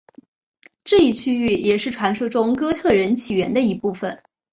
这一区域也是传说中哥特人起源的一部分。